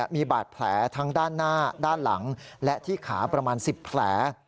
มีบาดแผลทั้งด้านหน้าด้านหลังและที่ขาประมาณ๑๐แผล